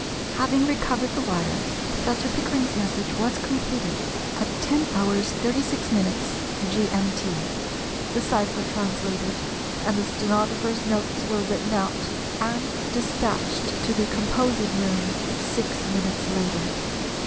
Having recovered the wire, Professor Pickering's message was completed at 10h. 36m. [G.M.T.], the cypher translated, and the stenographer's notes were written out and despatched to the composing room six minutes later.